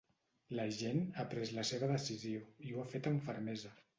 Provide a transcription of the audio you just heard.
La gent ha pres la seva decisió, i ho ha fet amb fermesa.